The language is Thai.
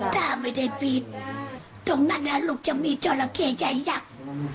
ถ้าไม่ได้ปีดตรงนั้นอาหลุกจะมีเจ้าละเขยใหญ่ยักษ์